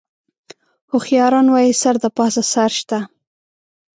هوښیاران وایي: سر د پاسه سر شته.